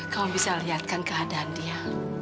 kamu bisa lihat kan keadaan dia